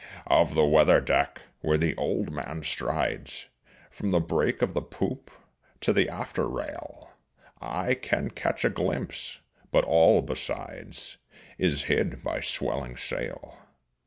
Of the weather deck where the old man strides, From the break of the poop to the after rail, I can catch a glimpse, but all besides Is hid by swelling sail.